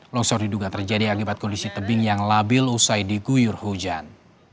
longsor diduga terjadi akibat kondisi tebing yang labil usai diguyur hujan